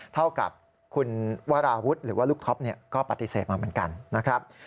เท่ากับคุณวราวุฒิหรือว่าลูกท็อปก็ปฏิเสธมาเหมือนกันนะครับ